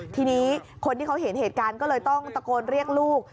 ทีนี้คนที่เขาเห็นเหตุการณ์ก็เลยต้องตะโกนเรียกลูก